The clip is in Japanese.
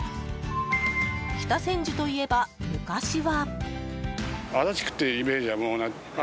北千住といえば、昔は。